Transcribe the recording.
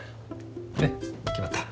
ねっ決まった。